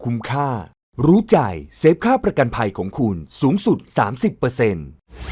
ค่ารู้ใจเซฟค่าประกันภัยของคุณสูงสุดสามสิบเปอร์เซ็นต์